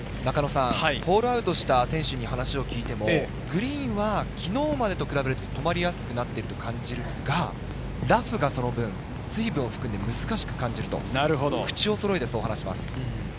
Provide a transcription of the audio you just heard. ホールアウトした選手に話を聞いてもグリーンは昨日までと比べると止まりやすくなっていると感じるが、ラフがその分、水分を含んで難しく感じると、口をそろえて話します。